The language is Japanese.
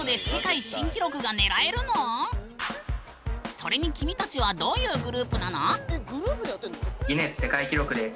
それに君たちはどういうグループなの？